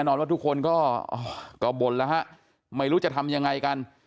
นอนว่าทุกคนก็บ่นแล้วฮะไม่รู้จะทำยังไงกัน